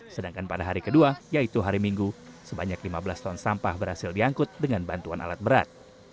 sedangkan pada hari kedua yaitu hari minggu sebanyak lima belas ton sampah berhasil diangkut dengan bantuan alat berat